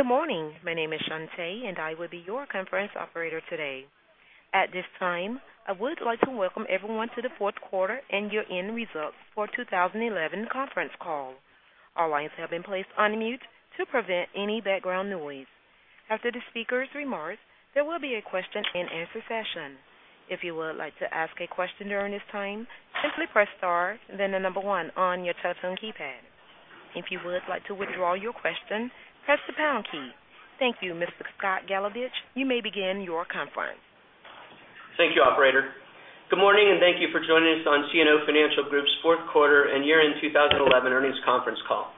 Good morning. My name is Shante, and I will be your conference operator today. At this time, I would like to welcome everyone to the fourth quarter and year-end results for 2011 conference call. All lines have been placed on mute to prevent any background noise. After the speaker's remarks, there will be a question and answer session. If you would like to ask a question during this time, simply press star, then the number one on your touchtone keypad. If you would like to withdraw your question, press the pound key. Thank you, Mr. Scott Galovic. You may begin your conference. Thank you, operator. Good morning, and thank you for joining us on CNO Financial Group's fourth quarter and year-end 2011 earnings conference call.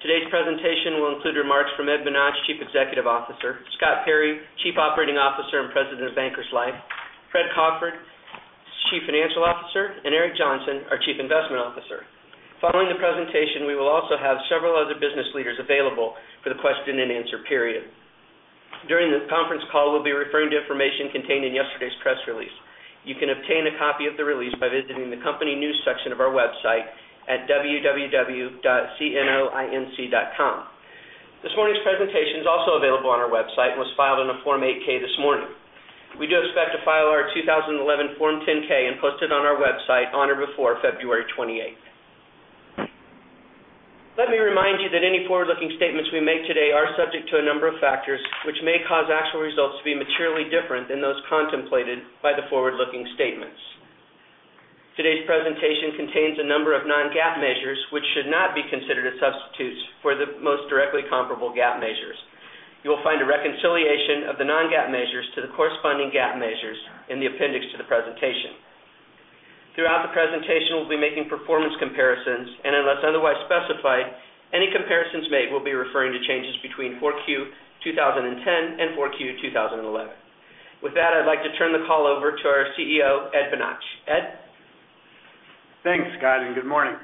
Today's presentation will include remarks from Ed Bonach, Chief Executive Officer, Scott Perry, Chief Operating Officer and President of Bankers Life, Fred Crawford, Chief Financial Officer, and Eric Johnson, our Chief Investment Officer. Following the presentation, we will also have several other business leaders available for the question and answer period. During the conference call, we'll be referring to information contained in yesterday's press release. You can obtain a copy of the release by visiting the company news section of our website at www.cnoinc.com. This morning's presentation is also available on our website and was filed on a Form 8-K this morning. We do expect to file our 2011 Form 10-K and post it on our website on or before February 28th. Let me remind you that any forward-looking statements we make today are subject to a number of factors which may cause actual results to be materially different than those contemplated by the forward-looking statements. Today's presentation contains a number of non-GAAP measures, which should not be considered as substitutes for the most directly comparable GAAP measures. You will find a reconciliation of the non-GAAP measures to the corresponding GAAP measures in the appendix to the presentation. Throughout the presentation, we'll be making performance comparisons, and unless otherwise specified, any comparisons made will be referring to changes between 4Q 2010 and 4Q 2011. With that, I'd like to turn the call over to our CEO, Ed Bonach. Ed? Thanks, Scott, and good morning.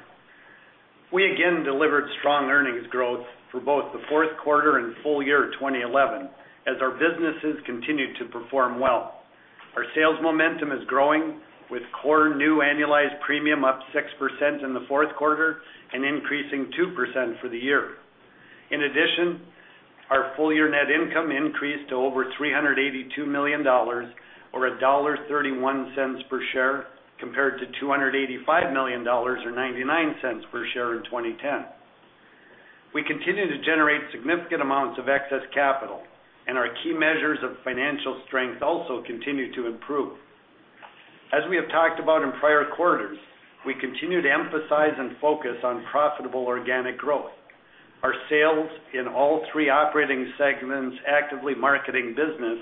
We again delivered strong earnings growth for both the fourth quarter and full year 2011 as our businesses continued to perform well. Our sales momentum is growing, with core new annualized premium up 6% in the fourth quarter and increasing 2% for the year. In addition, our full-year net income increased to over $382 million, or $1.31 per share, compared to $285 million, or $0.99 per share in 2010. We continue to generate significant amounts of excess capital, and our key measures of financial strength also continue to improve. As we have talked about in prior quarters, we continue to emphasize and focus on profitable organic growth. Our sales in all three operating segments actively marketing business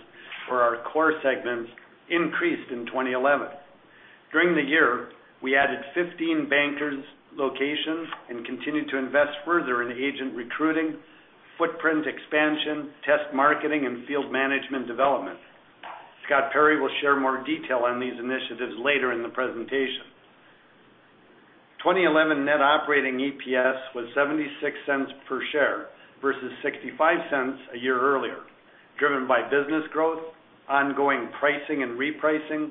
for our core segments increased in 2011. During the year, we added 15 Bankers locations and continued to invest further in agent recruiting, footprint expansion, test marketing, and field management development. Scott Perry will share more detail on these initiatives later in the presentation. 2011 net operating EPS was $0.76 per share versus $0.65 a year earlier, driven by business growth, ongoing pricing and repricing,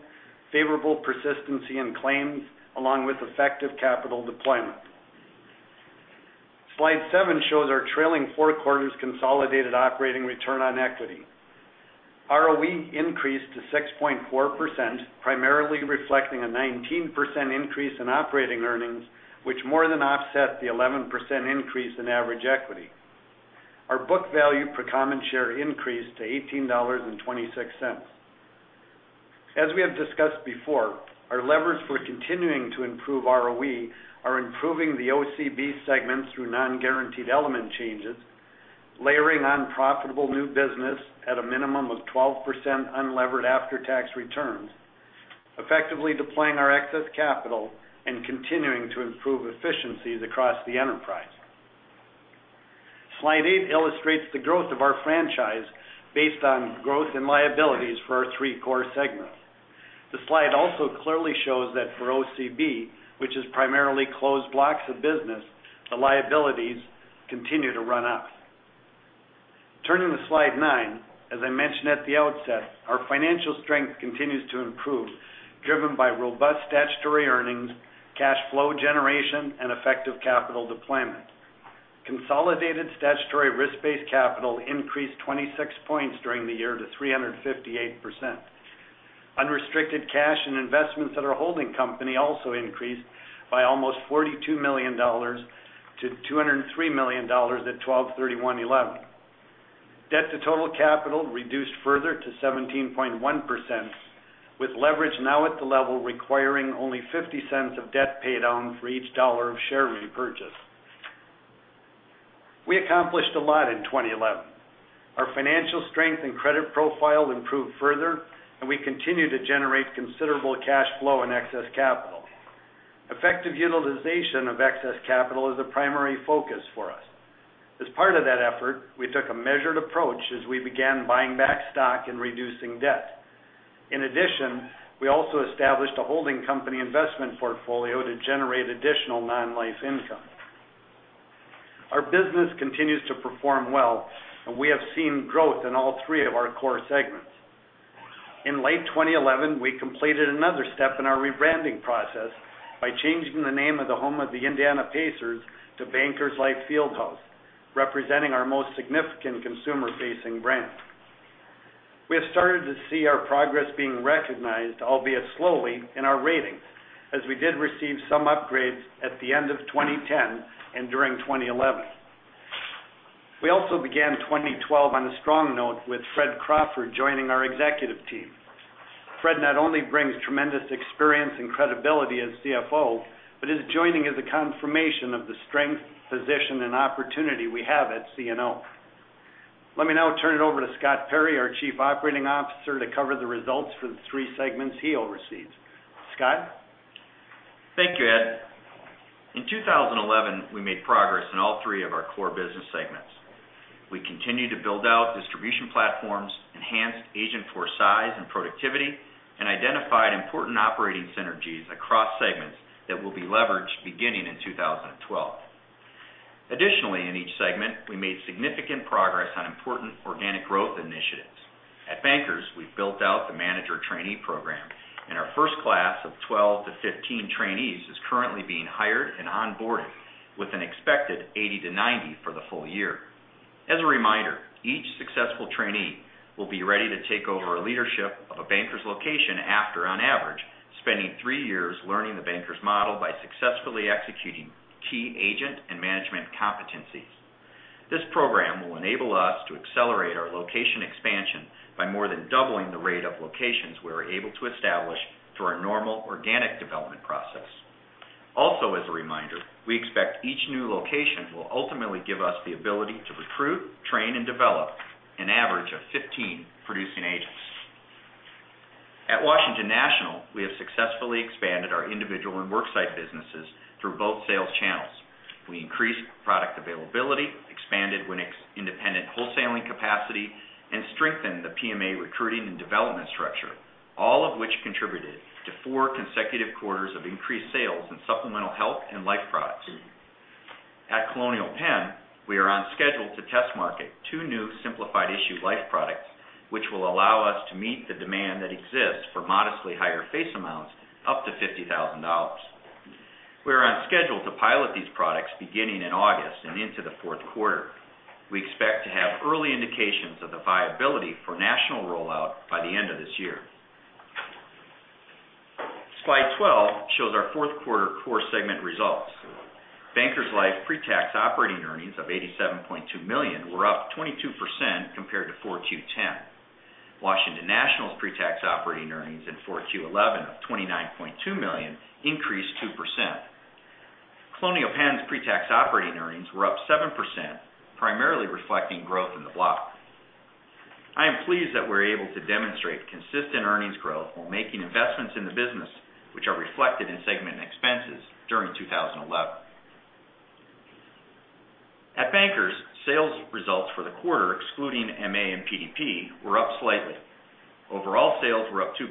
favorable persistency in claims, along with effective capital deployment. Slide seven shows our trailing four quarters consolidated operating return on equity. ROE increased to 6.4%, primarily reflecting a 19% increase in operating earnings, which more than offset the 11% increase in average equity. Our book value per common share increased to $18.26. As we have discussed before, our levers for continuing to improve ROE are improving the OCB segments through non-guaranteed element changes, layering on profitable new business at a minimum of 12% unlevered after-tax returns, effectively deploying our excess capital, continuing to improve efficiencies across the enterprise. Slide eight illustrates the growth of our franchise based on growth and liabilities for our three core segments. The slide also clearly shows that for OCB, which is primarily closed blocks of business, the liabilities continue to run up. Turning to slide nine, as I mentioned at the outset, our financial strength continues to improve, driven by robust statutory earnings, cash flow generation, and effective capital deployment. Consolidated statutory risk-based capital increased 26 points during the year to 358%. Unrestricted cash and investments at our holding company also increased by almost $42 million to $203 million at 12/31/2011. Debt to total capital reduced further to 17.1%, with leverage now at the level requiring only $0.50 of debt paydown for each dollar of share repurchase. We accomplished a lot in 2011. Our financial strength and credit profile improved further, we continue to generate considerable cash flow and excess capital. Effective utilization of excess capital is a primary focus for us. As part of that effort, we took a measured approach as we began buying back stock and reducing debt. In addition, we also established a holding company investment portfolio to generate additional non-life income. Our business continues to perform well, we have seen growth in all three of our core segments. In late 2011, we completed another step in our rebranding process by changing the name of the home of the Indiana Pacers to Bankers Life Fieldhouse, representing our most significant consumer-facing brand. We have started to see our progress being recognized, albeit slowly, in our ratings, as we did receive some upgrades at the end of 2010 and during 2011. We also began 2012 on a strong note with Fred Crawford joining our executive team. Fred not only brings tremendous experience and credibility as CFO, his joining is a confirmation of the strength, position, and opportunity we have at CNO. Let me now turn it over to Scott Perry, our chief operating officer, to cover the results for the three segments he oversees. Scott? Thank you, Ed. In 2011, we made progress in all three of our core business segments. We continued to build out distribution platforms, enhanced agent force size and productivity, and identified important operating synergies across segments that will be leveraged beginning in 2012. Additionally, in each segment, we made significant progress on important organic growth initiatives. At Bankers, we've built out the manager trainee program, and our first class of 12 to 15 trainees is currently being hired and onboarded with an expected 80 to 90 for the full year. As a reminder, each successful trainee will be ready to take over leadership of a Bankers location after, on average, spending three years learning the Bankers model by successfully executing key agent and management competencies. This program will enable us to accelerate our location expansion by more than doubling the rate of locations we're able to establish through our normal organic development process. Also, as a reminder, we expect each new location will ultimately give us the ability to recruit, train, and develop an average of 15 producing agents. At Washington National, we have successfully expanded our individual and worksite businesses through both sales channels. We increased product availability, expanded WNIC's independent wholesaling capacity, and strengthened the PMA recruiting and development structure, all of which contributed to four consecutive quarters of increased sales in supplemental health and life products. At Colonial Penn, we are on schedule to test market two new simplified issue life products, which will allow us to meet the demand that exists for modestly higher face amounts, up to $50,000. We are on schedule to pilot these products beginning in August and into the fourth quarter. We expect to have early indications of the viability for national rollout by the end of this year. Slide 12 shows our fourth quarter core segment results. Bankers Life pre-tax operating earnings of $87.2 million were up 22% compared to Q4 2010. Washington National's pre-tax operating earnings in Q4 2011 of $29.2 million increased 2%. Colonial Penn's pre-tax operating earnings were up 7%, primarily reflecting growth in the block. I am pleased that we're able to demonstrate consistent earnings growth while making investments in the business, which are reflected in segment expenses during 2011. At Bankers, sales results for the quarter, excluding MA and PDP, were up slightly. Overall sales were up 2%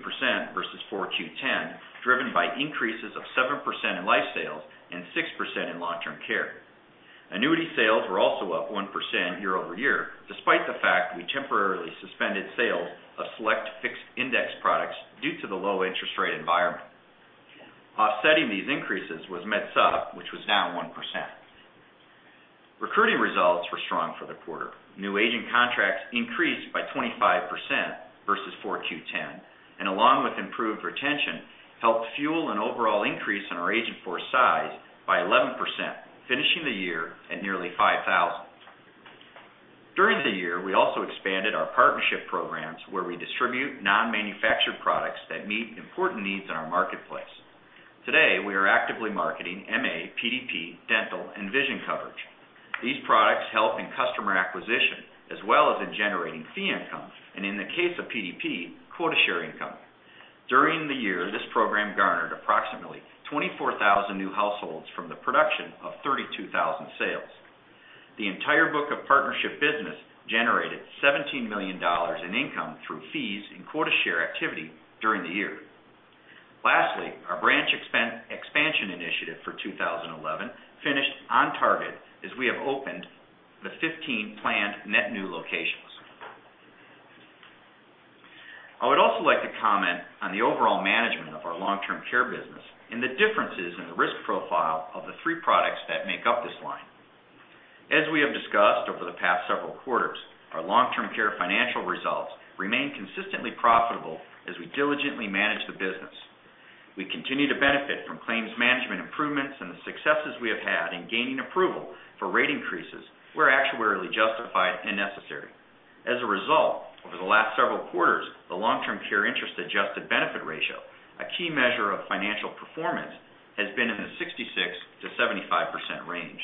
versus Q4 2010, driven by increases of 7% in life sales and 6% in long-term care. Annuity sales were also up 1% year-over-year, despite the fact we temporarily suspended sales of select fixed index products due to the low interest rate environment. Offsetting these increases was MedSup, which was down 1%. Recruiting results were strong for the quarter. New agent contracts increased by 25% versus Q4 2010, and along with improved retention, helped fuel an overall increase in our agent force size by 11%, finishing the year at nearly 5,000. During the year, we also expanded our partnership programs where we distribute non-manufactured products that meet important needs in our marketplace. Today, we are actively marketing MA, PDP, dental, and vision coverage. These products help in customer acquisition as well as in generating fee income, and in the case of PDP, quota share income. During the year, this program garnered approximately 24,000 new households from the production of 32,000 sales. The entire book of partnership business generated $17 million in income through fees and quota share activity during the year. Lastly, our branch expansion initiative for 2011 finished on target as we have opened the 15 planned net new locations. I would also like to comment on the overall management of our long-term care business and the differences in the risk profile of the three products that make up this line. As we have discussed over the past several quarters, our long-term care financial results remain consistently profitable as we diligently manage the business. We continue to benefit from claims management improvements and the successes we have had in gaining approval for rate increases were actuarially justified and necessary. As a result, over the last several quarters, the long-term care interest adjusted benefit ratio, a key measure of financial performance, has been in the 66%-75% range.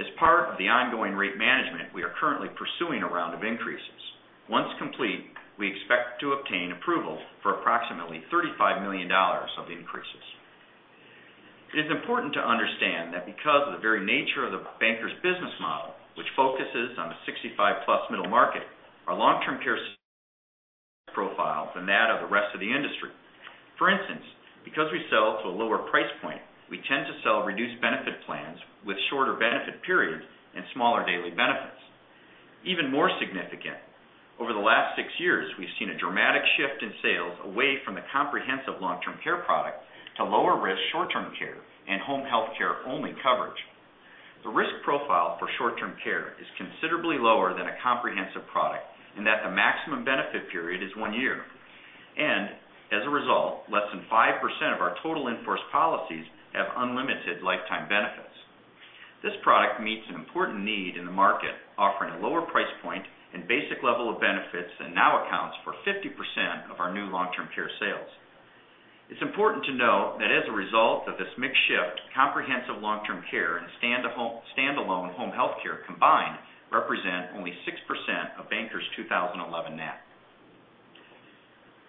As part of the ongoing rate management, we are currently pursuing a round of increases. Once complete, we expect to obtain approval for approximately $35 million of the increases. It is important to understand that because of the very nature of the Bankers business model, which focuses on the 65+ middle market, our long-term care profile than that of the rest of the industry. For instance, because we sell to a lower price point, reduced benefit plans with shorter benefit periods and smaller daily benefits. Even more significant, over the last six years, we've seen a dramatic shift in sales away from the comprehensive long-term care product to lower risk short-term care and home health care-only coverage. The risk profile for short-term care is considerably lower than a comprehensive product in that the maximum benefit period is one year. As a result, less than 5% of our total in-force policies have unlimited lifetime benefits. This product meets an important need in the market, offering a lower price point and basic level of benefits, and now accounts for 50% of our new long-term care sales. It is important to note that as a result of this mixed shift, comprehensive long-term care and standalone home health care combined represent only 6% of Bankers' 2011 net.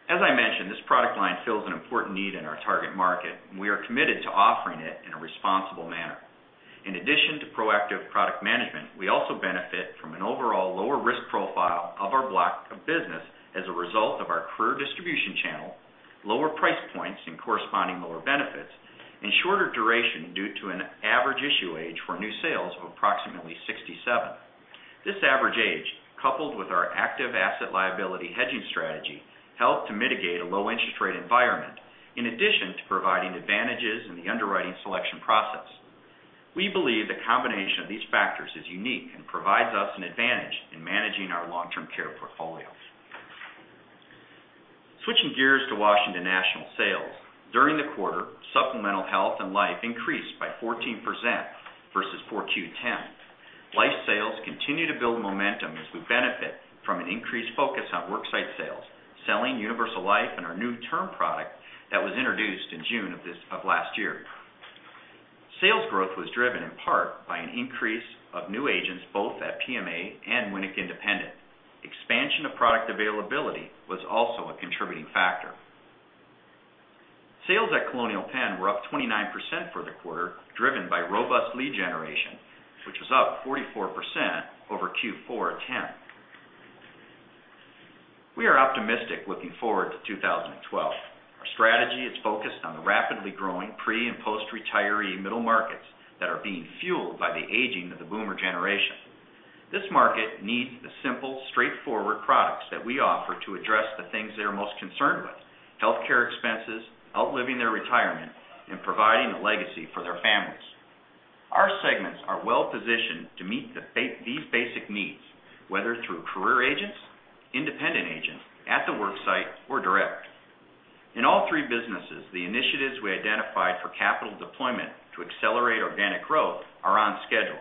As I mentioned, this product line fills an important need in our target market, and we are committed to offering it in a responsible manner. In addition to proactive product management, we also benefit from an overall lower risk profile of our block of business as a result of our career distribution channel, lower price points and corresponding lower benefits, and shorter duration due to an average issue age for new sales of approximately 67. This average age, coupled with our active asset liability hedging strategy, help to mitigate a low interest rate environment, in addition to providing advantages in the underwriting selection process. We believe the combination of these factors is unique and provides us an advantage in managing our long-term care portfolio. Switching gears to Washington National sales. During the quarter, supplemental health and life increased by 14% versus 4Q 2010. Life sales continue to build momentum as we benefit from an increased focus on worksite sales, selling universal life and our new term product that was introduced in June of last year. Sales growth was driven in part by an increase of new agents both at PMA and Winnick Independent. Expansion of product availability was also a contributing factor. Sales at Colonial Penn were up 29% for the quarter, driven by robust lead generation, which was up 44% over Q4 2010. We are optimistic looking forward to 2012. Our strategy is focused on the rapidly growing pre and post-retiree middle markets that are being fueled by the aging of the boomer generation. This market needs the simple, straightforward products that we offer to address the things they are most concerned with, healthcare expenses, outliving their retirement, and providing a legacy for their families. Our segments are well-positioned to meet these basic needs, whether through career agents, independent agents at the work site or direct. In all three businesses, the initiatives we identified for capital deployment to accelerate organic growth are on schedule.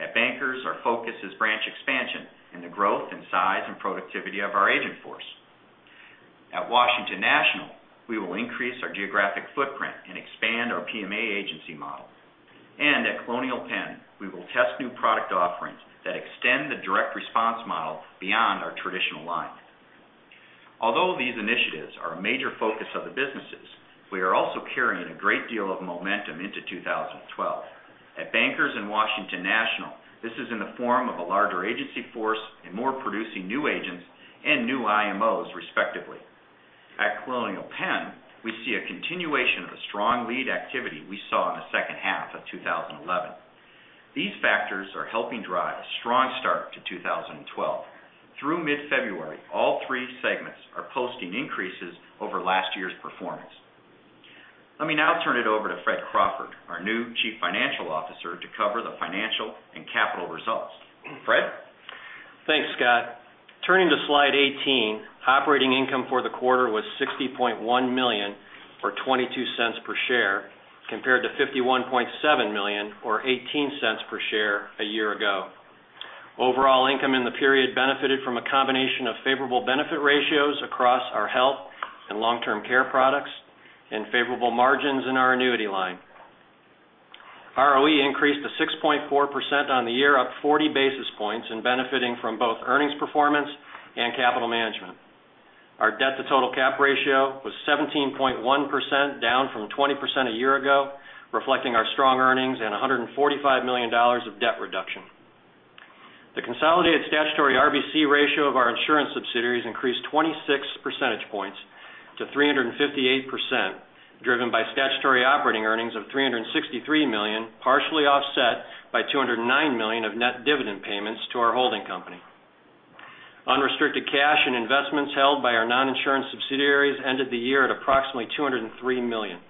At Bankers, our focus is branch expansion and the growth and size and productivity of our agent force. At Washington National, we will increase our geographic footprint and expand our PMA agency model. At Colonial Penn, we will test new product offerings that extend the direct response model beyond our traditional line. Although these initiatives are a major focus of the businesses, we are also carrying a great deal of momentum into 2012. At Bankers and Washington National, this is in the form of a larger agency force and more producing new agents and new IMOs respectively. At Colonial Penn, we see a continuation of a strong lead activity we saw in the second half of 2011. These factors are helping drive a strong start to 2012. Through mid-February, all three segments are posting increases over last year's performance. Let me now turn it over to Fred Crawford, our new Chief Financial Officer, to cover the financial and capital results. Fred? Thanks, Scott. Turning to slide 18, operating income for the quarter was $60.1 million or $0.22 per share compared to $51.7 million or $0.18 per share a year ago. Overall income in the period benefited from a combination of favorable benefit ratios across our health and long-term care products and favorable margins in our annuity line. ROE increased to 6.4% on the year, up 40 basis points, and benefiting from both earnings performance and capital management. Our debt to total cap ratio was 17.1%, down from 20% a year ago, reflecting our strong earnings and $145 million of debt reduction. The consolidated statutory RBC ratio of our insurance subsidiaries increased 26 percentage points to 358%, driven by statutory operating earnings of $363 million, partially offset by $209 million of net dividend payments to our holding company. Unrestricted cash and investments held by our non-insurance subsidiaries ended the year at approximately $203 million.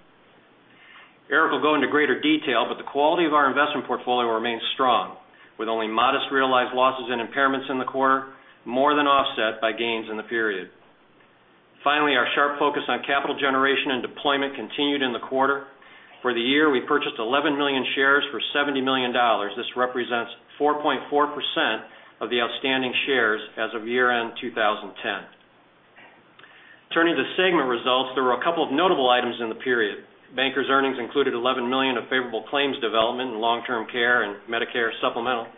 Eric will go into greater detail, but the quality of our investment portfolio remains strong, with only modest realized losses and impairments in the quarter, more than offset by gains in the period. Finally, our sharp focus on capital generation and deployment continued in the quarter. For the year, we purchased 11 million shares for $70 million. This represents 4.4% of the outstanding shares as of year-end 2010. Turning to segment results, there were a couple of notable items in the period. Bankers' earnings included $11 million of favorable claims development in long-term care and Medicare Supplement.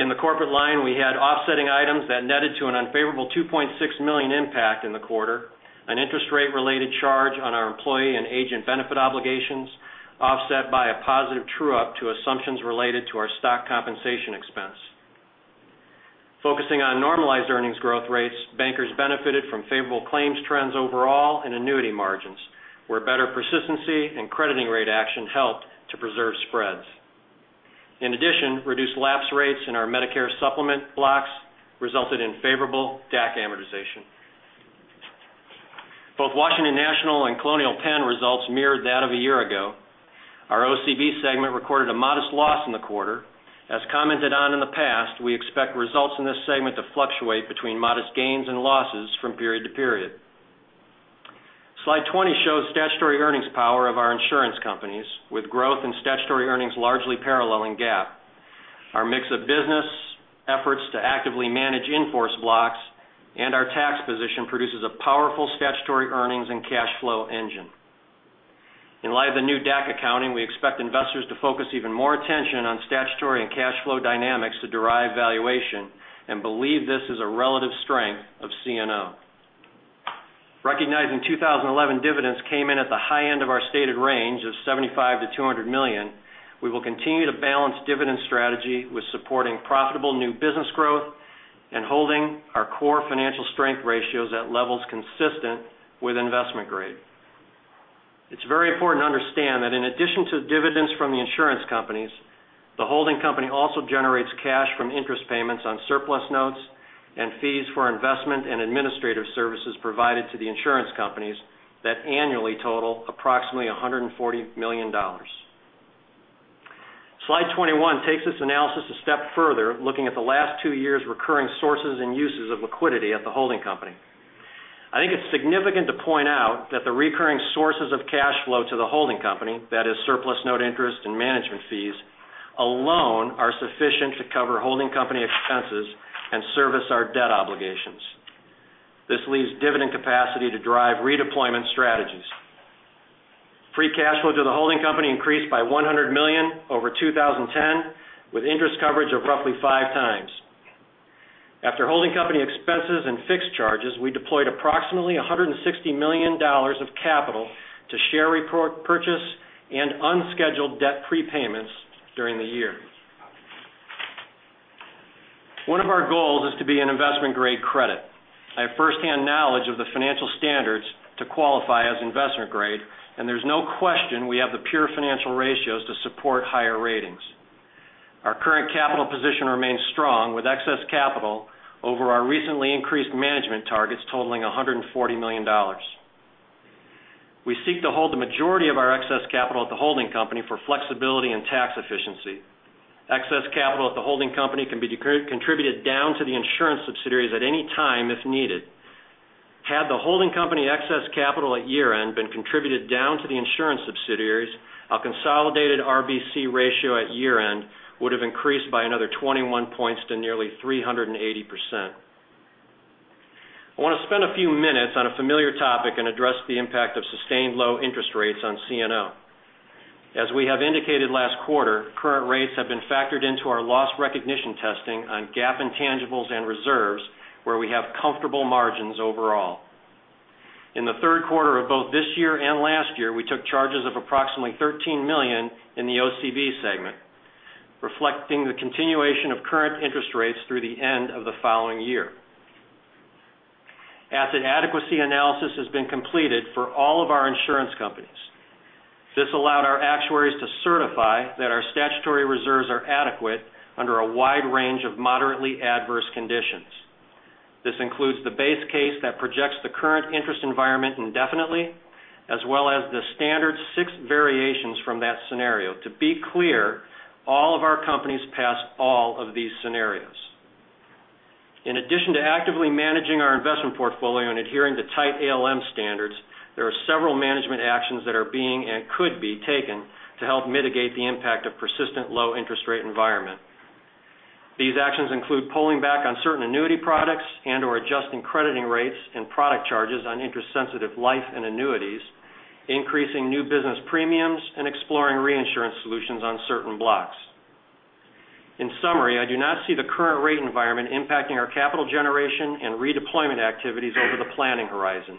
In the corporate line, we had offsetting items that netted to an unfavorable $2.6 million impact in the quarter, an interest rate related charge on our employee and agent benefit obligations, offset by a positive true-up to assumptions related to our stock compensation expense. Focusing on normalized earnings growth rates, Bankers benefited from favorable claims trends overall in annuity margins, where better persistency and crediting rate action helped to preserve spreads. In addition, reduced lapse rates in our Medicare supplement blocks resulted in favorable DAC amortization. Both Washington National and Colonial Penn results mirrored that of a year ago. Our OCB segment recorded a modest loss in the quarter. As commented on in the past, we expect results in this segment to fluctuate between modest gains and losses from period to period. Slide 20 shows statutory earnings power of our insurance companies, with growth in statutory earnings largely paralleling GAAP. Our mix of business efforts to actively manage in-force blocks and our tax position produces a powerful statutory earnings and cash flow engine. In light of the new DAC accounting, we expect investors to focus even more attention on statutory and cash flow dynamics to derive valuation and believe this is a relative strength of CNO. Recognizing 2011 dividends came in at the high end of our stated range of $75 million-$200 million, we will continue to balance dividend strategy with supporting profitable new business growth and holding our core financial strength ratios at levels consistent with investment grade. It's very important to understand that in addition to dividends from the insurance companies, the holding company also generates cash from interest payments on surplus notes and fees for investment and administrative services provided to the insurance companies that annually total approximately $140 million. Slide 21 takes this analysis a step further, looking at the last two years' recurring sources and uses of liquidity at the holding company. I think it's significant to point out that the recurring sources of cash flow to the holding company, that is surplus note interest and management fees, alone are sufficient to cover holding company expenses and service our debt obligations. This leaves dividend capacity to drive redeployment strategies. Free cash flow to the holding company increased by $100 million over 2010, with interest coverage of roughly five times. After holding company expenses and fixed charges, we deployed approximately $160 million of capital to share repurchase and unscheduled debt prepayments during the year. One of our goals is to be an investment-grade credit. I have firsthand knowledge of the financial standards to qualify as investment grade, and there's no question we have the pure financial ratios to support higher ratings. Our current capital position remains strong, with excess capital over our recently increased management targets totaling $140 million. We seek to hold the majority of our excess capital at the holding company for flexibility and tax efficiency. Excess capital at the holding company can be contributed down to the insurance subsidiaries at any time if needed. Had the holding company excess capital at year-end been contributed down to the insurance subsidiaries, our consolidated RBC ratio at year-end would have increased by another 21 points to nearly 380%. I want to spend a few minutes on a familiar topic and address the impact of sustained low interest rates on CNO. As we have indicated last quarter, current rates have been factored into our loss recognition testing on GAAP intangibles and reserves, where we have comfortable margins overall. In the third quarter of both this year and last year, we took charges of approximately $13 million in the OCB segment, reflecting the continuation of current interest rates through the end of the following year. Asset adequacy analysis has been completed for all of our insurance companies. This allowed our actuaries to certify that our statutory reserves are adequate under a wide range of moderately adverse conditions. This includes the base case that projects the current interest environment indefinitely, as well as the standard six variations from that scenario. To be clear, all of our companies passed all of these scenarios. In addition to actively managing our investment portfolio and adhering to tight ALM standards, there are several management actions that are being and could be taken to help mitigate the impact of persistent low interest rate environment. These actions include pulling back on certain annuity products and/or adjusting crediting rates and product charges on interest-sensitive life and annuities, increasing new business premiums, and exploring reinsurance solutions on certain blocks. In summary, I do not see the current rate environment impacting our capital generation and redeployment activities over the planning horizon.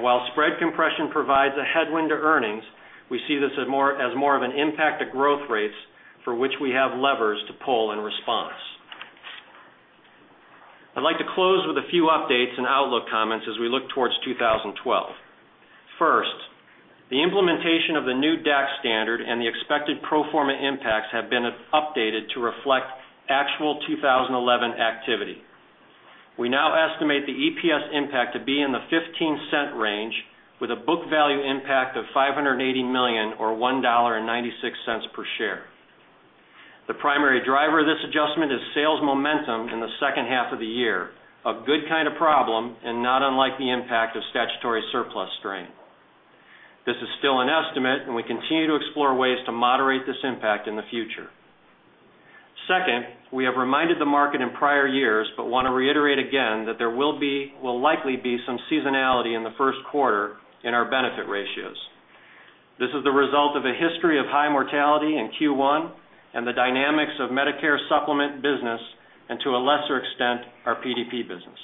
While spread compression provides a headwind to earnings, we see this as more of an impact to growth rates for which we have levers to pull in response. I'd like to close with a few updates and outlook comments as we look towards 2012. First, the implementation of the new DAC standard and the expected pro forma impacts have been updated to reflect actual 2011 activity. We now estimate the EPS impact to be in the $0.15 range, with a book value impact of $580 million or $1.96 per share. The primary driver of this adjustment is sales momentum in the second half of the year, a good kind of problem and not unlike the impact of statutory surplus strain. This is still an estimate, and we continue to explore ways to moderate this impact in the future. Second, we have reminded the market in prior years but want to reiterate again that there will likely be some seasonality in the first quarter in our benefit ratios. This is the result of a history of high mortality in Q1 and the dynamics of Medicare supplement business and, to a lesser extent, our PDP business.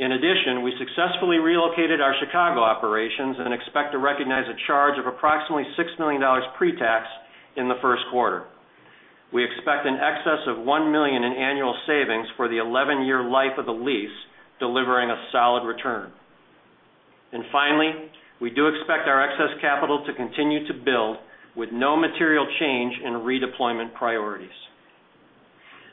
In addition, we successfully relocated our Chicago operations and expect to recognize a charge of approximately $6 million pre-tax in the first quarter. We expect an excess of $1 million in annual savings for the 11-year life of the lease, delivering a solid return. Finally, we do expect our excess capital to continue to build with no material change in redeployment priorities.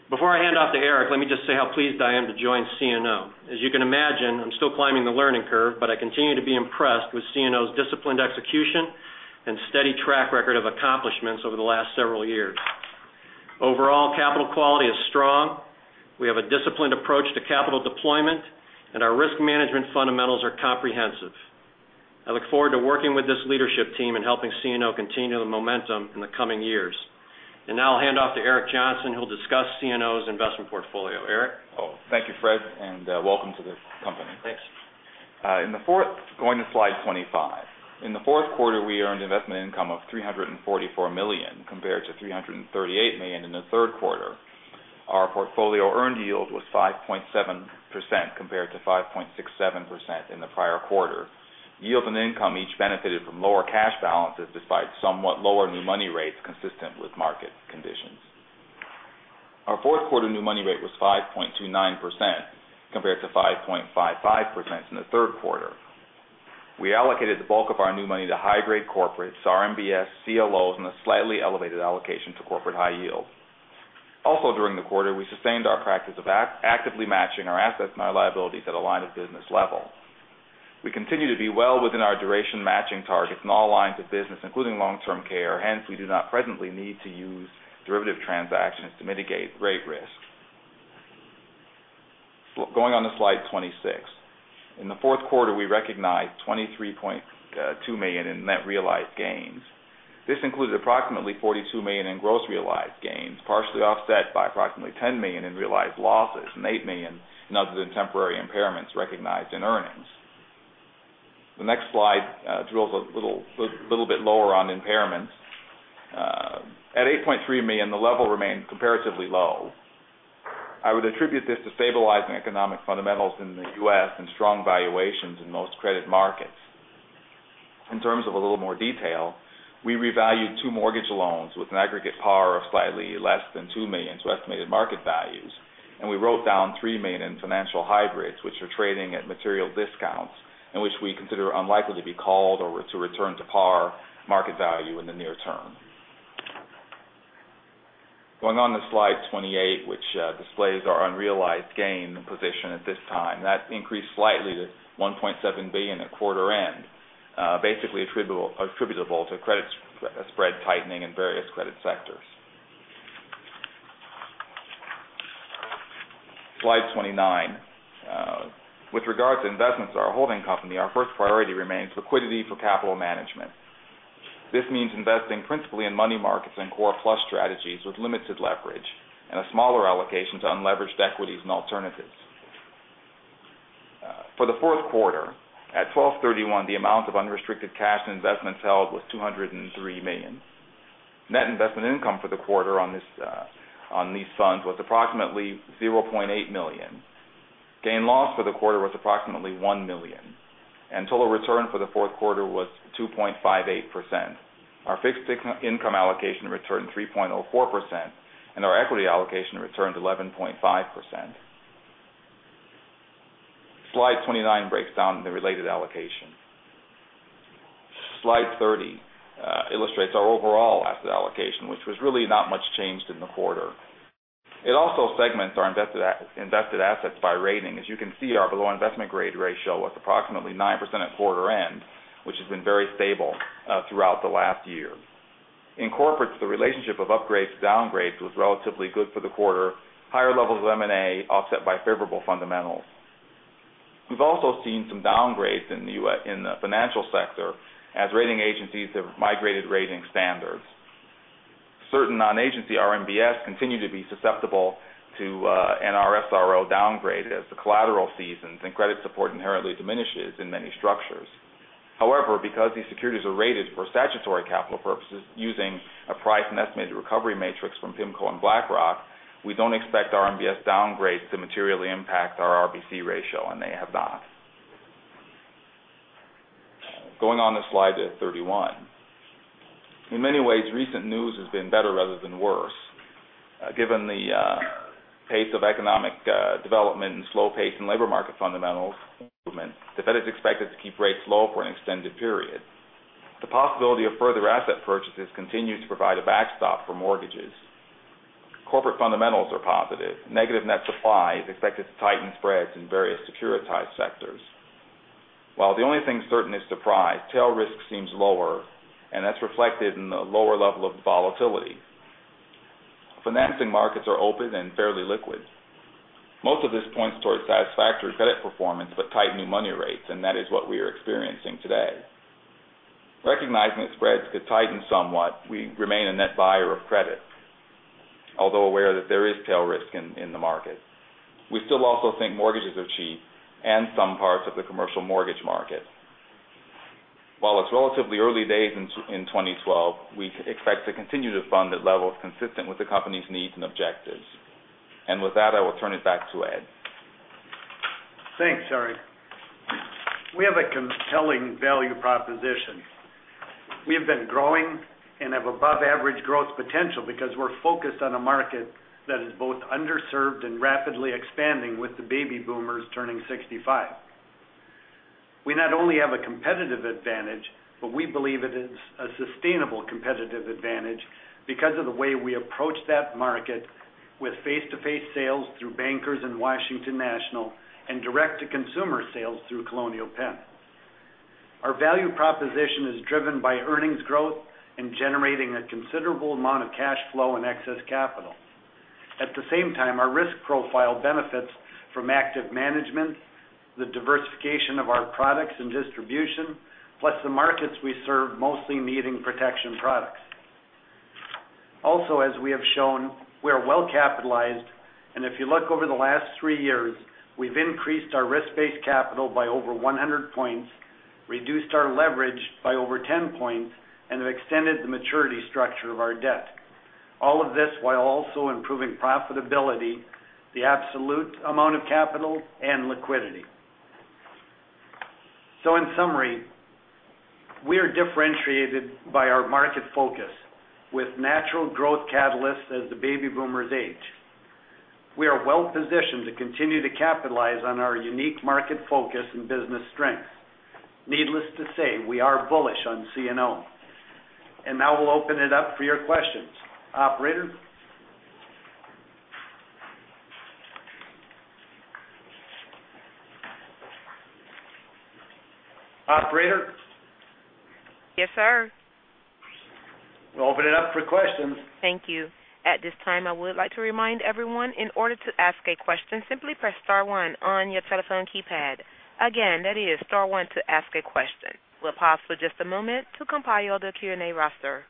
Before I hand off to Eric, let me just say how pleased I am to join CNO. As you can imagine, I'm still climbing the learning curve, but I continue to be impressed with CNO's disciplined execution and steady track record of accomplishments over the last several years. Overall capital quality is strong. We have a disciplined approach to capital deployment, and our risk management fundamentals are comprehensive. I look forward to working with this leadership team and helping CNO continue the momentum in the coming years. Now I'll hand off to Eric Johnson, who'll discuss CNO's investment portfolio. Eric? Thank you, Fred, welcome to the company. Thanks. Going to slide 25. In the fourth quarter, we earned investment income of $344 million, compared to $338 million in the third quarter. Our portfolio earned yield was 5.7%, compared to 5.67% in the prior quarter. Yield and income each benefited from lower cash balances despite somewhat lower new money rates consistent with market conditions. Our fourth quarter new money rate was 5.29%, compared to 5.55% in the third quarter. We allocated the bulk of our new money to high-grade corporates, RMBS, CLOs, and a slightly elevated allocation to corporate high yield. Also during the quarter, we sustained our practice of actively matching our assets and our liabilities at a line of business level. We continue to be well within our duration matching targets in all lines of business, including long-term care. We do not presently need to use derivative transactions to mitigate rate risk. Going on to slide 26. In the fourth quarter, we recognized $23.2 million in net realized gains. This includes approximately $42 million in gross realized gains, partially offset by approximately $10 million in realized losses and $8 million in other than temporary impairments recognized in earnings. The next slide drills a little bit lower on impairments. At $8.3 million, the level remained comparatively low. I would attribute this to stabilizing economic fundamentals in the U.S. and strong valuations in most credit markets. In terms of a little more detail, we revalued two mortgage loans with an aggregate par of slightly less than $2 million to estimated market values, and we wrote down $3 million in financial hybrids, which are trading at material discounts and which we consider unlikely to be called or to return to par market value in the near term. Going on to slide 28, which displays our unrealized gain position at this time. That increased slightly to $1.7 billion at quarter end, basically attributable to credit spread tightening in various credit sectors. Slide 29. With regard to investments in our holding company, our first priority remains liquidity for capital management. This means investing principally in money markets and core plus strategies with limited leverage and a smaller allocation to unleveraged equities and alternatives. For the fourth quarter, at 12/31, the amount of unrestricted cash and investments held was $203 million. Net investment income for the quarter on these funds was approximately $0.8 million. Gain loss for the quarter was approximately $1 million. Total return for the fourth quarter was 2.58%. Our fixed income allocation returned 3.04%. Our equity allocation returned 11.5%. Slide 29 breaks down the related allocation. Slide 30 illustrates our overall asset allocation, which was really not much changed in the quarter. It also segments our invested assets by rating. As you can see, our below investment grade ratio was approximately 9% at quarter end, which has been very stable throughout the last year. In corporates, the relationship of upgrades to downgrades was relatively good for the quarter. Higher levels of M&A offset by favorable fundamentals. We've also seen some downgrades in the financial sector as rating agencies have migrated rating standards. Certain non-agency RMBS continue to be susceptible to an NRSRO downgrade as the collateral seasons and credit support inherently diminishes in many structures. However, because these securities are rated for statutory capital purposes using a price and estimated recovery matrix from PIMCO and BlackRock, we don't expect RMBS downgrades to materially impact our RBC ratio. They have not. Going on to slide 31. In many ways, recent news has been better rather than worse. Given the pace of economic development and slow pace in labor market fundamentals improvement, the Fed is expected to keep rates low for an extended period. The possibility of further asset purchases continues to provide a backstop for mortgages. Corporate fundamentals are positive. Negative net supply is expected to tighten spreads in various securitized sectors. While the only thing certain is the price, tail risk seems lower. That's reflected in the lower level of volatility. Financing markets are open and fairly liquid. Most of this points towards satisfactory credit performance. Tight new money rates, and that is what we are experiencing today. Recognizing that spreads could tighten somewhat, we remain a net buyer of credit. Although aware that there is tail risk in the market. We still also think mortgages are cheap and some parts of the commercial mortgage market. While it's relatively early days in 2012, we expect to continue to fund at levels consistent with the company's needs and objectives. With that, I will turn it back to Ed. Thanks, Eric. We have a compelling value proposition. We have been growing and have above-average growth potential because we're focused on a market that is both underserved and rapidly expanding with the baby boomers turning 65. We not only have a competitive advantage, but we believe it is a sustainable competitive advantage because of the way we approach that market with face-to-face sales through bankers in Washington National and direct-to-consumer sales through Colonial Penn. Our value proposition is driven by earnings growth and generating a considerable amount of cash flow and excess capital. At the same time, our risk profile benefits from active management, the diversification of our products and distribution, plus the markets we serve mostly needing protection products. As we have shown, we are well-capitalized, and if you look over the last three years, we've increased our risk-based capital by over 100 points, reduced our leverage by over 10 points, and have extended the maturity structure of our debt. All of this while also improving profitability, the absolute amount of capital, and liquidity. In summary, we are differentiated by our market focus with natural growth catalysts as the baby boomers age. We are well-positioned to continue to capitalize on our unique market focus and business strengths. Needless to say, we are bullish on CNO. Now we'll open it up for your questions. Operator? Operator? Yes, sir. We'll open it up for questions. Thank you. At this time, I would like to remind everyone, in order to ask a question, simply press star one on your telephone keypad. Again, that is star one to ask a question. We'll pause for just a moment to compile the Q&A roster.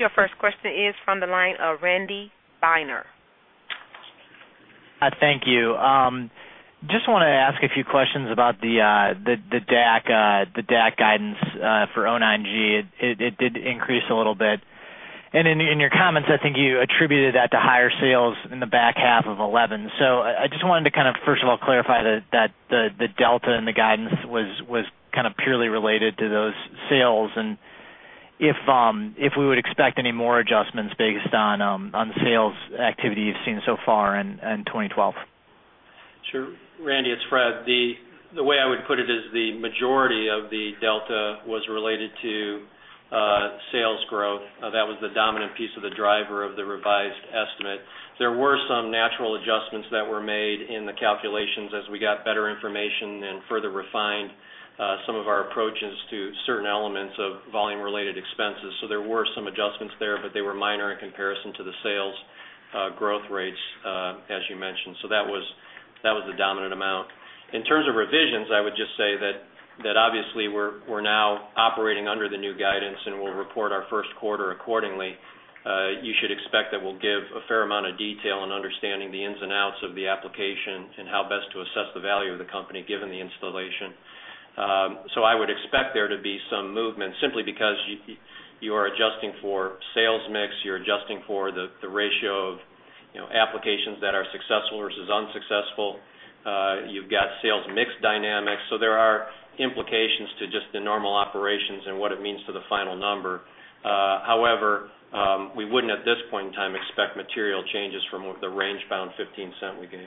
Your first question is from the line of Randy Binner. Thank you. Just want to ask a few questions about the DAC guidance for [O9G]. It did increase a little bit. In your comments, I think you attributed that to higher sales in the back half of 2011. I just wanted to kind of, first of all, clarify that the delta in the guidance was kind of purely related to those sales and if we would expect any more adjustments based on the sales activity you've seen so far in 2012. Sure. Randy, it's Fred. The way I would put it is the majority of the delta was related to sales growth. That was the dominant piece of the driver of the revised estimate. There were some natural adjustments that were made in the calculations as we got better information and further refined some of our approaches to certain elements of volume-related expenses. There were some adjustments there, but they were minor in comparison to the sales growth rates, as you mentioned. That was the dominant amount. In terms of revisions, I would just say that obviously we're now operating under the new guidance, and we'll report our first quarter accordingly. You should expect that we'll give a fair amount of detail in understanding the ins and outs of the application and how best to assess the value of the company, given the installation. I would expect there to be some movement simply because you are adjusting for sales mix, you're adjusting for the ratio of applications that are successful versus unsuccessful. You've got sales mix dynamics. There are implications to just the normal operations and what it means to the final number. However, we wouldn't, at this point in time, expect material changes from the range-bound $0.15 we gave.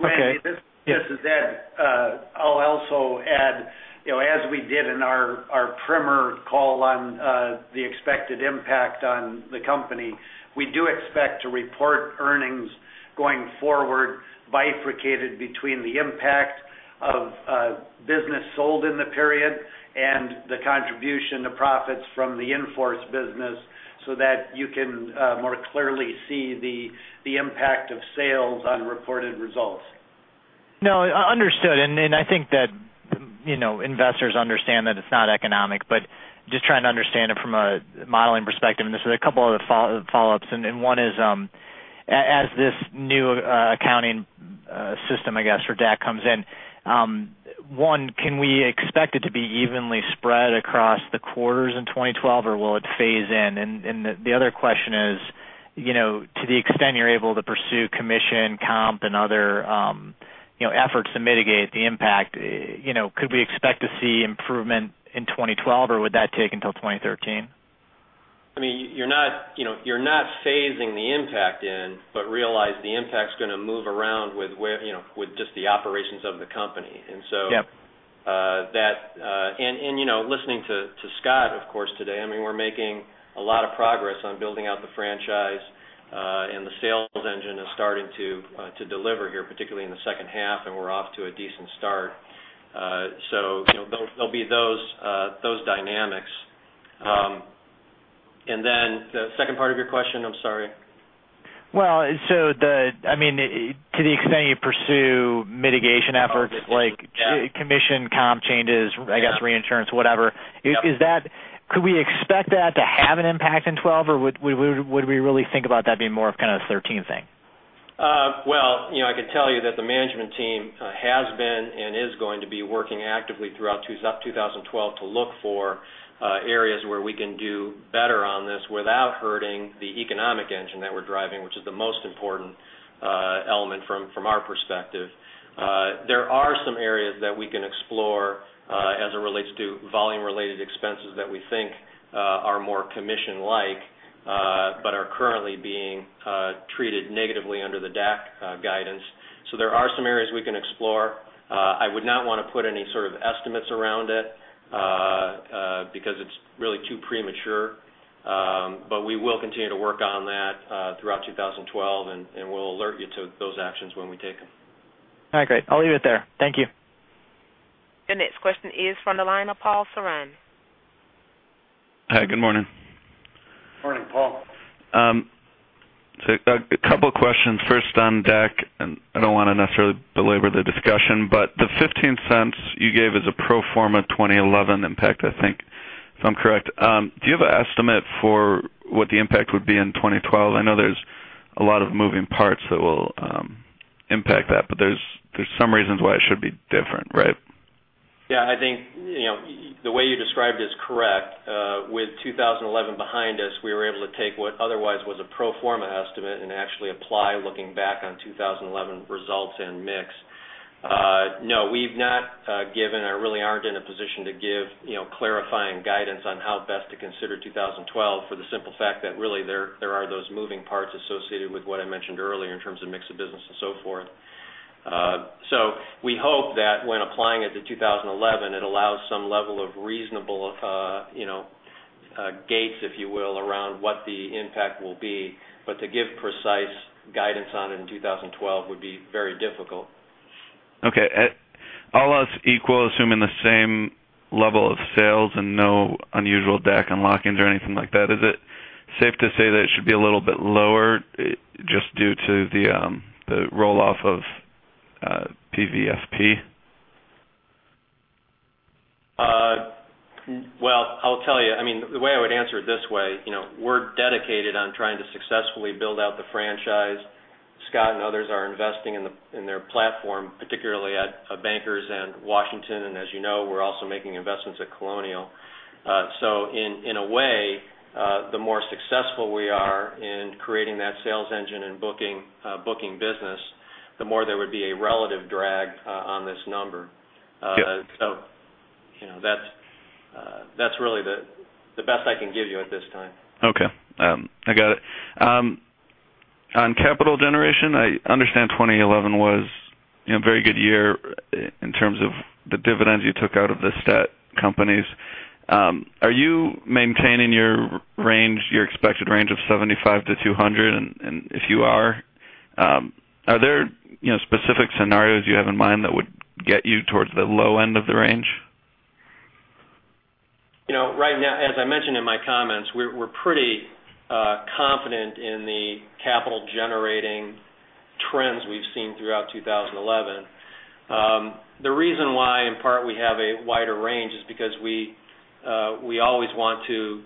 Okay. Randy, this is Ed. I'll also add, as we did in our primer call on the expected impact on the company, we do expect to report earnings going forward bifurcated between the impact of business sold in the period and the contribution to profits from the in-force business so that you can more clearly see the impact of sales on reported results. No, understood. I think that investors understand that it's not economic, but just trying to understand it from a modeling perspective. Just a couple other follow-ups. One is, as this new accounting system, I guess, for DAC comes in, one, can we expect it to be evenly spread across the quarters in 2012, or will it phase in? The other question is, to the extent you're able to pursue commission, comp, and other efforts to mitigate the impact, could we expect to see improvement in 2012, or would that take until 2013? You're not phasing the impact in, realize the impact's going to move around with just the operations of the company. Yep. Listening to Scott, of course, today, we're making a lot of progress on building out the franchise, the sales engine is starting to deliver here, particularly in the second half, we're off to a decent start. There'll be those dynamics. Then the second part of your question? I'm sorry. Well, to the extent you pursue mitigation efforts like commission comp changes, I guess reinsurance, whatever. Yep. Could we expect that to have an impact in 2012, or would we really think about that being more of a 2013 thing? Well, I can tell you that the management team has been and is going to be working actively throughout 2012 to look for areas where we can do better on this without hurting the economic engine that we're driving, which is the most important element from our perspective. There are some areas that we can explore as it relates to volume-related expenses that we think are more commission-like but are currently being treated negatively under the DAC guidance. There are some areas we can explore. I would not want to put any sort of estimates around it because it's really too premature. We will continue to work on that throughout 2012, and we'll alert you to those actions when we take them. All right, great. I'll leave it there. Thank you. The next question is from the line of Paul Newsome. Hi, good morning. Morning, Paul. A couple of questions. First on DAC, and I don't want to necessarily belabor the discussion, but the $0.15 you gave as a pro forma 2011 impact, I think, if I'm correct. Do you have an estimate for what the impact would be in 2012? I know there's a lot of moving parts that will impact that, but there's some reasons why it should be different, right? I think, the way you described is correct. With 2011 behind us, we were able to take what otherwise was a pro forma estimate and actually apply looking back on 2011 results and mix. We've not given or really aren't in a position to give clarifying guidance on how best to consider 2012 for the simple fact that really there are those moving parts associated with what I mentioned earlier in terms of mix of business and so forth. We hope that when applying it to 2011, it allows some level of reasonable gates, if you will, around what the impact will be. To give precise guidance on it in 2012 would be very difficult. Okay. All else equal, assuming the same level of sales and no unusual DAC unlockings or anything like that, is it safe to say that it should be a little bit lower just due to the roll-off of PVFP? I'll tell you, the way I would answer it this way, we're dedicated on trying to successfully build out the franchise. Scott and others are investing in their platform, particularly at Bankers Life and Washington National, and as you know, we're also making investments at Colonial Penn. In a way, the more successful we are in creating that sales engine and booking business, the more there would be a relative drag on this number. That's really the best I can give you at this time. Okay. I got it. On capital generation, I understand 2011 was a very good year in terms of the dividends you took out of the stat companies. Are you maintaining your expected range of $75 million-$200 million, and if you are there specific scenarios you have in mind that would get you towards the low end of the range? Right now, as I mentioned in my comments, we're pretty confident in the capital-generating trends we've seen throughout 2011. The reason why, in part, we have a wider range is because we always want to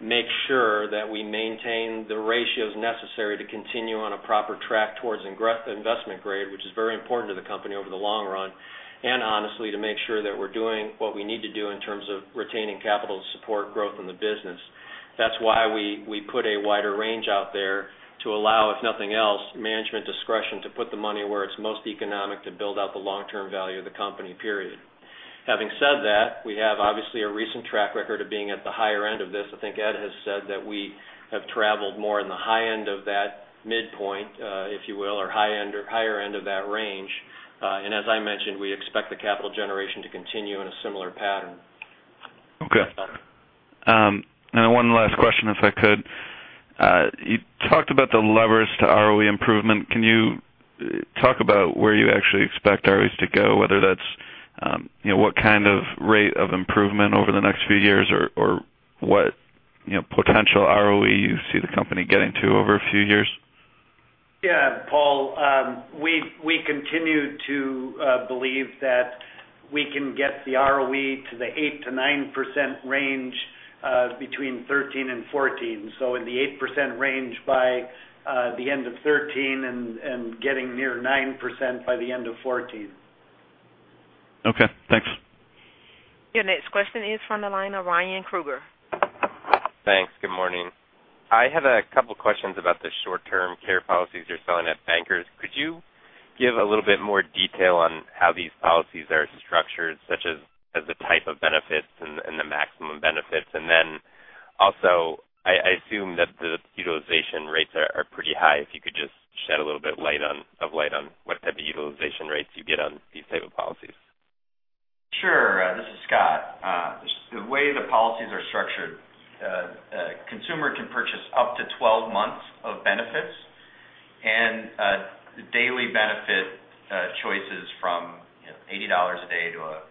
make sure that we maintain the ratios necessary to continue on a proper track towards investment grade, which is very important to the company over the long run. Honestly, to make sure that we're doing what we need to do in terms of retaining capital to support growth in the business. That's why we put a wider range out there to allow, if nothing else, management discretion to put the money where it's most economic to build out the long-term value of the company, period. Having said that, we have obviously a recent track record of being at the higher end of this. I think Ed has said that we have traveled more in the high end of that midpoint, if you will, or higher end of that range. As I mentioned, we expect the capital generation to continue in a similar pattern. Okay. One last question, if I could. You talked about the levers to ROE improvement. Can you talk about where you actually expect ROEs to go, whether that's what kind of rate of improvement over the next few years or what potential ROE you see the company getting to over a few years? Yeah, Paul, we continue to believe that we can get the ROE to the 8%-9% range between 2013 and 2014. In the 8% range by the end of 2013 and getting near 9% by the end of 2014. Okay, thanks. Your next question is from the line of Ryan Krueger. Thanks. Good morning. I have a couple questions about the short-term care policies you're selling at Bankers. Could you give a little bit more detail on how these policies are structured, such as the type of benefits and the maximum benefits? Also, I assume that the utilization rates are pretty high. If you could just shed a little bit of light on what type of utilization rates you get on these type of policies. Sure. This is Scott. The way the policies are structured, a consumer can purchase up to 12 months of benefits, and the daily benefit choices from $80 a day to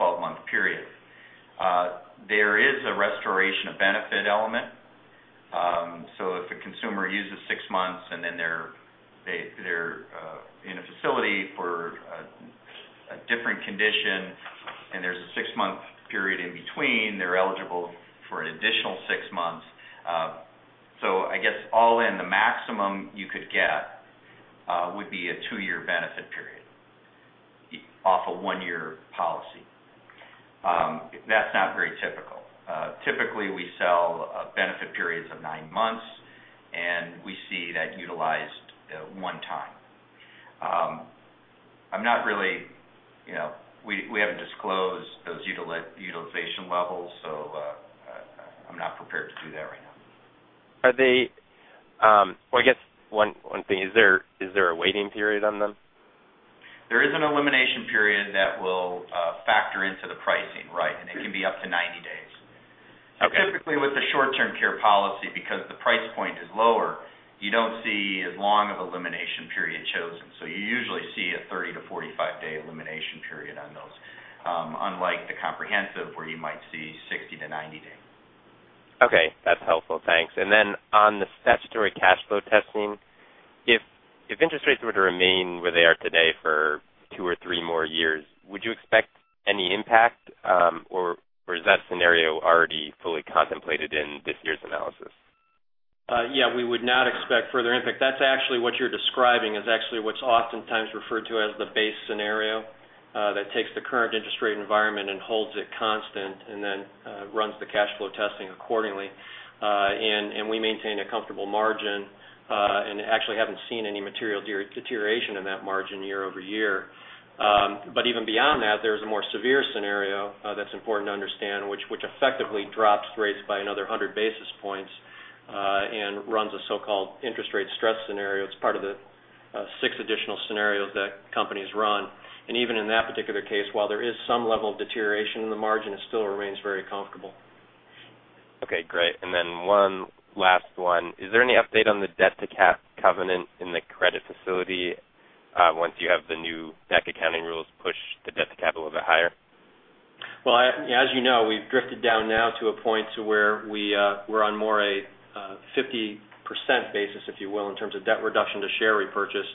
12-month period. There is a restoration of benefit element. If a consumer uses six months and then they're in a facility for a different condition, and there's a six-month period in between, they're eligible for an additional six months. I guess all in the maximum you could get would be a two-year benefit period off a one-year policy. That's not very typical. Typically, we sell benefit periods of nine months, and we see that utilized at one time. We haven't disclosed those utilization levels, so I'm not prepared to do that right now. Is there a waiting period on them? There is an elimination period that will factor into the pricing, right, and it can be up to 90 days. Okay. Typically with the short-term care policy, because the price point is lower, you don't see as long of elimination period chosen. You usually see a 30- to 45-day elimination period on those, unlike the comprehensive where you might see 60 to 90 days. Okay, that's helpful. Thanks. On the statutory cash flow testing, if interest rates were to remain where they are today for two or three more years, would you expect any impact? Or is that scenario already fully contemplated in this year's analysis? We would not expect further impact. That's actually what you're describing is actually what's oftentimes referred to as the base scenario, that takes the current interest rate environment and holds it constant and then runs the cash flow testing accordingly. We maintain a comfortable margin, and actually haven't seen any material deterioration in that margin year-over-year. Even beyond that, there's a more severe scenario that's important to understand, which effectively drops rates by another 100 basis points, and runs a so-called interest rate stress scenario. It's part of the six additional scenarios that companies run. Even in that particular case, while there is some level of deterioration in the margin, it still remains very comfortable. Okay, great. One last one. Is there any update on the debt-to-cap covenant in the credit facility once you have the new DAC accounting rules push the debt to capital a little bit higher? Well, as you know, we've drifted down now to a point to where we're on more a 50% basis, if you will, in terms of debt reduction to share repurchase.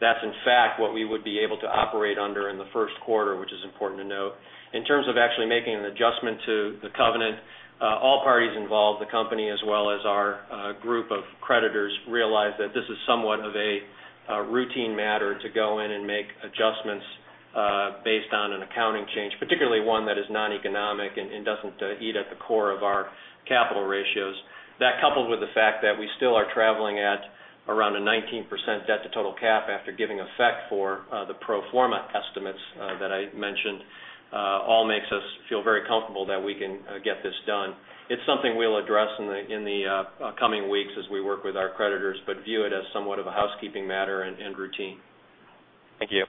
That's in fact what we would be able to operate under in the first quarter, which is important to note. In terms of actually making an adjustment to the covenant, all parties involved, the company as well as our group of creditors, realize that this is somewhat of a routine matter to go in and make adjustments based on an accounting change, particularly one that is non-economic and doesn't eat at the core of our capital ratios. That, coupled with the fact that we still are traveling at around a 19% debt to total cap after giving effect for the pro forma estimates that I mentioned, all makes us feel very comfortable that we can get this done. It's something we'll address in the coming weeks as we work with our creditors, but view it as somewhat of a housekeeping matter and routine. Thank you.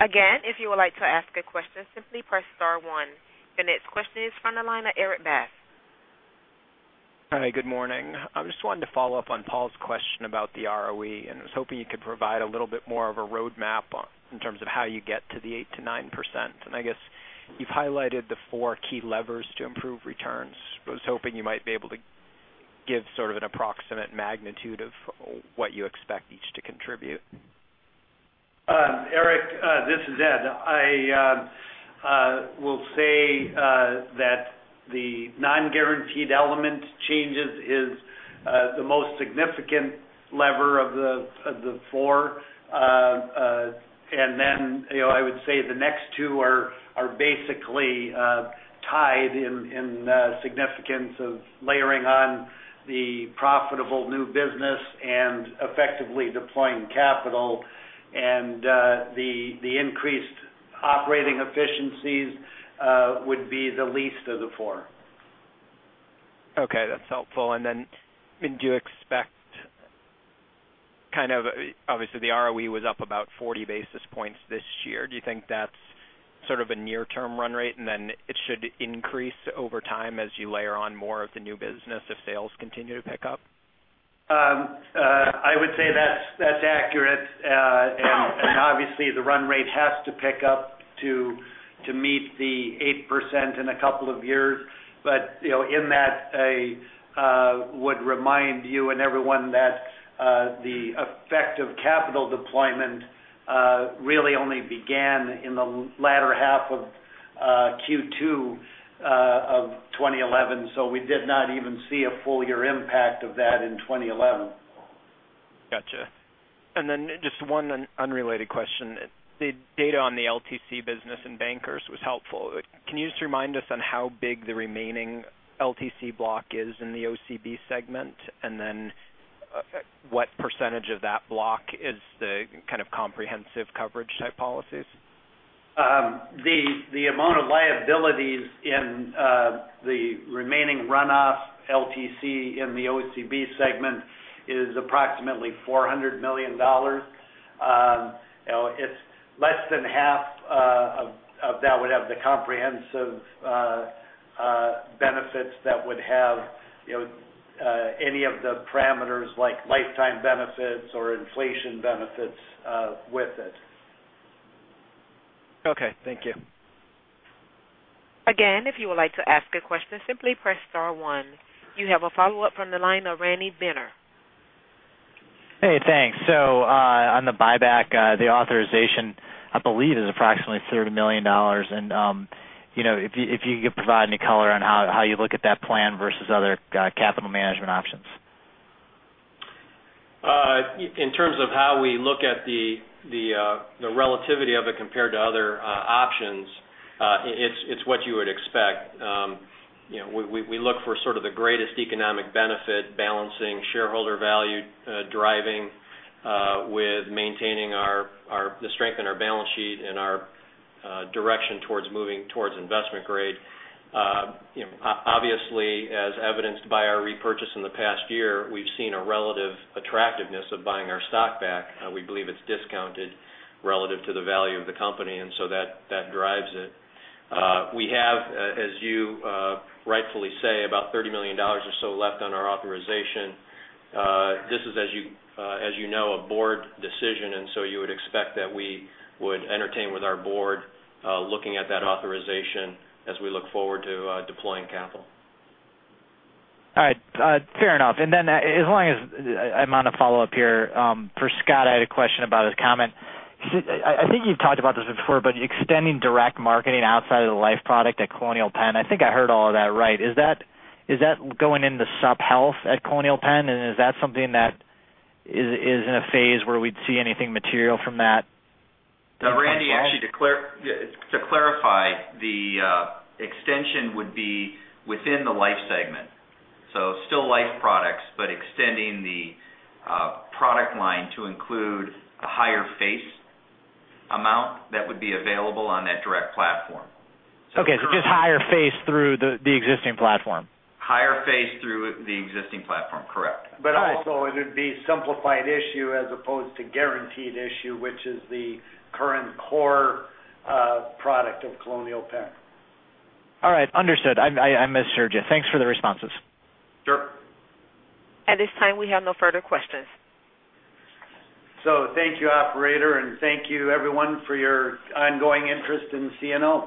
Again, if you would like to ask a question, simply press star one. The next question is from the line of Erik Bass. Hi, good morning. I just wanted to follow up on Paul's question about the ROE. I was hoping you could provide a little bit more of a roadmap in terms of how you get to the 8%-9%. I guess you've highlighted the four key levers to improve returns. I was hoping you might be able to give sort of an approximate magnitude of what you expect each to contribute. Erik, this is Ed. I will say that the non-guaranteed element changes is the most significant lever of the four. Then I would say the next two are basically tied in significance of layering on the profitable new business and effectively deploying capital. The increased operating efficiencies would be the least of the four. Okay, that's helpful. Then do you expect kind of, obviously the ROE was up about 40 basis points this year. Do you think that's sort of a near-term run rate? Then it should increase over time as you layer on more of the new business if sales continue to pick up? I would say that's accurate. Obviously the run rate has to pick up to meet the 8% in a couple of years. In that, I would remind you and everyone that the effect of capital deployment really only began in the latter half of Q2 of 2011. We did not even see a full year impact of that in 2011. Gotcha. Just one unrelated question. The data on the LTC business and Bankers was helpful. Can you just remind us on how big the remaining LTC block is in the OCB segment? What % of that block is the kind of comprehensive coverage type policies? The amount of liabilities in the remaining runoff LTC in the OCB segment is approximately $400 million. Less than half of that would have the comprehensive Benefits that would have any of the parameters like lifetime benefits or inflation benefits with it. Okay, thank you. Again, if you would like to ask a question, simply press star one. You have a follow-up from the line of Randy Binner. Hey, thanks. On the buyback, the authorization, I believe, is approximately $30 million. If you could provide any color on how you look at that plan versus other capital management options. In terms of how we look at the relativity of it compared to other options, it's what you would expect. We look for sort of the greatest economic benefit balancing shareholder value driving with maintaining the strength in our balance sheet and our direction towards moving towards investment grade. Obviously, as evidenced by our repurchase in the past year, we've seen a relative attractiveness of buying our stock back. We believe it's discounted relative to the value of the company, and so that drives it. We have, as you rightfully say, about $30 million or so left on our authorization. This is, as you know, a board decision, and so you would expect that we would entertain with our board looking at that authorization as we look forward to deploying capital. All right. Fair enough. As long as I'm on a follow-up here, for Scott, I had a question about his comment. I think you've talked about this before, extending direct marketing outside of the life product at Colonial Penn, I think I heard all of that right. Is that going into sub-health at Colonial Penn? Is that something that is in a phase where we'd see anything material from that? Randy, actually, to clarify, the extension would be within the life segment. Still life products, but extending the product line to include a higher face amount that would be available on that direct platform. Okay. Just higher face through the existing platform. Higher face through the existing platform, correct. Also it would be simplified issue as opposed to guaranteed issue, which is the current core product of Colonial Penn. All right. Understood. I misunderstood you. Thanks for the responses. Sure. At this time, we have no further questions. Thank you, operator, and thank you everyone for your ongoing interest in CNO.